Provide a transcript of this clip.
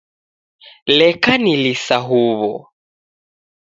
Leka nilisa huw'o.